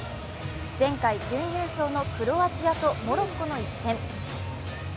前回準優勝のクロアチアとモロッコの一戦。